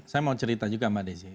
saya mau cerita juga mbak desi